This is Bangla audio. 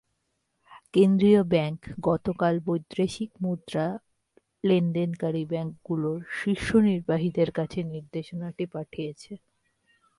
কেন্দ্রীয় ব্যাংক গতকাল বৈদেশিক মুদ্রা লেনদেনকারী ব্যাংকগুলোর শীর্ষ নির্বাহীদের কাছে নির্দেশনাটি পাঠিয়েছে।